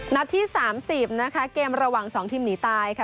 นัดที่๓๐นะคะเกมระหว่าง๒ทีมหนีตายค่ะ